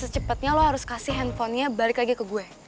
secepatnya lo harus kasih handphonenya balik lagi ke gue